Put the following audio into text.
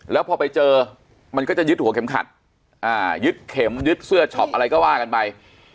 แล้วพอไปเจอมันก็จะยึดหัวเข็มขัดยึดเข็มยึดเสื้อช็อปอะไรก็ว่ากันไป